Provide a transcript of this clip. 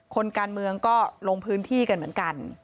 คนการเมืองก็ลงพื้นที่กันเหมือนกัน